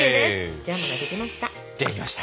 ジャムができました。